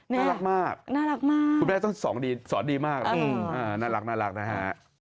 น่ารักมากคุณแม่ต้องสอนดีมากนะฮะน่ารักนะฮะ